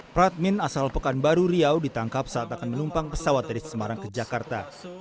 pradmin asal pekanbaru riau ditangkap saat akan menumpang pesawat dari semarang ke jakarta